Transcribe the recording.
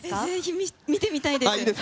ぜひ見てみたいです！